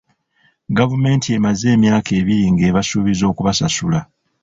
Gavumenti emaze emyaka ebiri ng'ebasuubiza okubasasula.